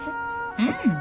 うん。